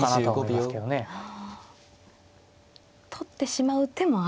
取ってしまう手もあると。